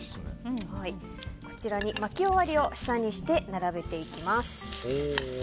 こちらに巻き終わりを下にして並べていきます。